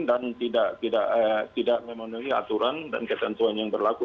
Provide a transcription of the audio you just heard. dan tidak memenuhi aturan dan ketentuan yang berlaku